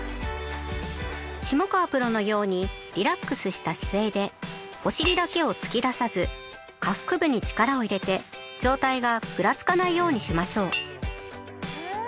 下川プロのようにリラックスした姿勢でお尻だけを突き出さず下腹部に力を入れて上体がぐらつかないようにしましょう。